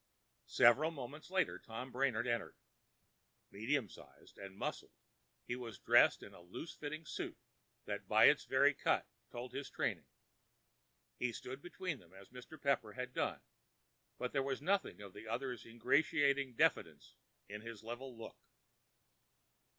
Several moments later Tom Brainard entered. Medium sized and muscular, he was dressed in a loose fitting suit that by its very cut told his training. He stood between them as Mr. Pepper had done, but there was nothing of the other's ingratiating deference in his level look.